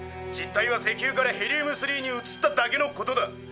実態は石油からヘリウム３に移っただけのことだ。